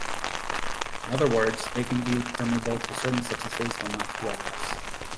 In other words, they can be permeable to certain substances but not to others.